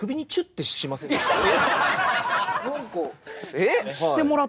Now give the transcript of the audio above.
えっ？